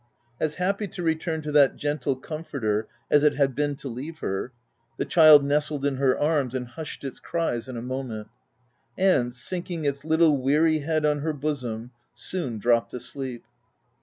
'' As happy to return to that gen tle comforter as it had been to leave her, the child nestled in her arms and hushed its cries in a moment ; and, sinking its little weary head on her bosom, soon dropped asleep.